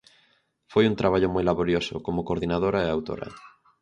Foi un traballo moi laborioso, como coordinadora e autora.